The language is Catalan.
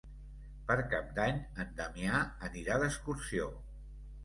Per Cap d'Any en Damià anirà d'excursió.